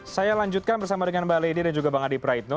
saya lanjutkan bersama dengan bang ledia dan juga bang adi praedno